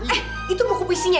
eh itu buku puisinya